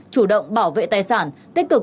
chủ động bảo vệ tài sản tích cực